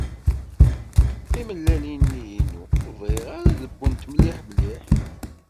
Timellalin-nni-inu ur bɣiɣ ara ad wwent mliḥ mliḥ.